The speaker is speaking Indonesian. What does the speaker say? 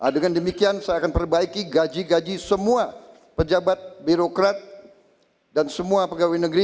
dengan demikian saya akan perbaiki gaji gaji semua pejabat birokrat dan semua pegawai negeri